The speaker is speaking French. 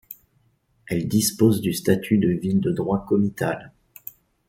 Elle dispose du statut de ville de droit comital.